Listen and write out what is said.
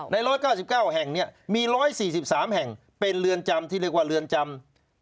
๑๙๙แห่งมี๑๔๓แห่งเป็นเรือนจำที่เรียกว่าเรือนจำ